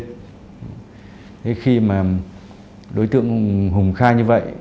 thế khi mà đối tượng hùng khai như vậy